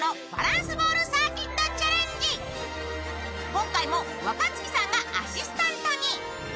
今回も若槻さんがアシスタントに。